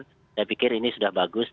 saya pikir ini sudah bagus